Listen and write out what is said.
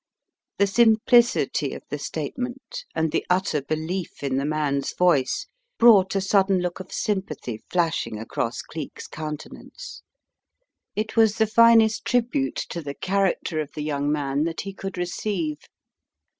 The simplicity of the statement, and the utter belief in the man's voice, brought a sudden look of sympathy flashing across Cleek's countenance. It was the finest tribute to the character of the young man that he could receive.